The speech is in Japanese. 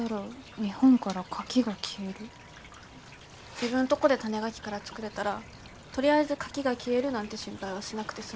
自分とごで種ガキから作れたらとりあえずカキが消えるなんて心配はしなくて済むでしょ？